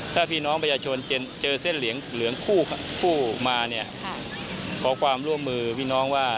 ถ้าพี่น้องประชาชนเจอเส้นเหลืองคู่มาเนี่ยขอความร่วมมือพี่น้องว่า